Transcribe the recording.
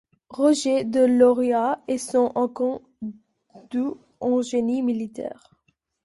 Roger de Lauria est sans aucun doute un génie militaire.